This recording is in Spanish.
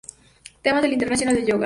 Temas del Día Internacional del Yoga